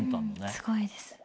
すごいです。